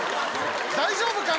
大丈夫か？